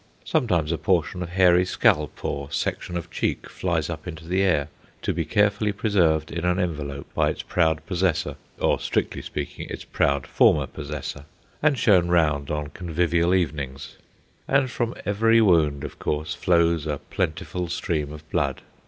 Sometimes a portion of hairy scalp or section of cheek flies up into the air, to be carefully preserved in an envelope by its proud possessor, or, strictly speaking, its proud former possessor, and shown round on convivial evenings; and from every wound, of course, flows a plentiful stream of blood.